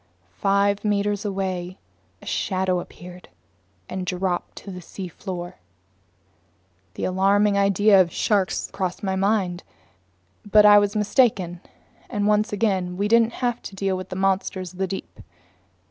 Five meters away a shadow appeared and dropped to the seafloor. The alarming idea of sharks crossed my mind. But I was mistaken, and once again we didn't have to deal with monsters of the deep.